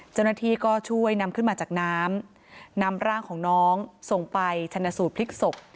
เจ้าหน้าที่ก็ช่วยนำขึ้นมาจากน้ำนำร่างของน้องส่งไปชนะสูตรพลิกศพ